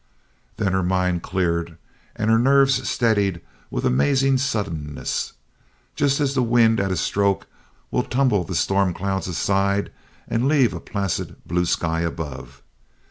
Then her mind cleared and her nerves steadied with amazing suddenness, just as the wind at a stroke will tumble the storm clouds aside and leave a placid blue sky above.